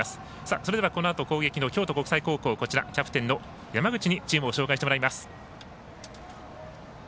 それではこのあと攻撃の京都国際高校キャプテンの山口にチームを紹介してもらいます。